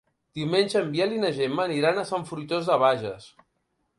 Diumenge en Biel i na Gemma aniran a Sant Fruitós de Bages.